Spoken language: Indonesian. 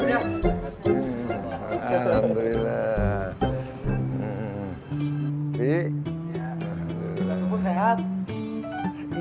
bisa ajak ga sampe apa nickname